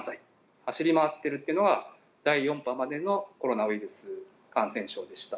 走り回っているっていうのが、第４波までのコロナウイルス感染症でした。